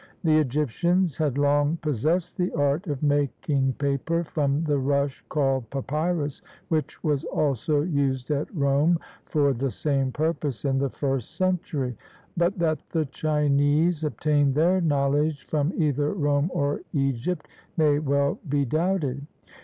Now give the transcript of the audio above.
The Egyptians had long pos sessed the art of making paper from the rush called papyrus, which was also used at Rome for the same pur pose in the first century; but that the Chinese obtained their knowledge from either Rome or Egypt may well be doubted.